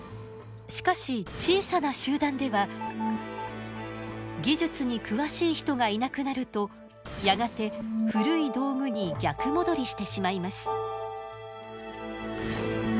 しかし小さな集団では技術に詳しい人がいなくなるとやがて古い道具に逆戻りしてしまいます。